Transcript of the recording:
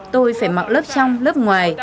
tôi phải mặc lớp trong lớp ngoài